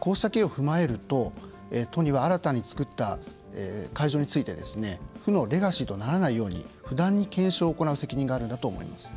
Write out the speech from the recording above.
こうした経緯を踏まえると都には新たに造った会場について負のレガシーとならないように不断に検証を行う責任があるんだと思います。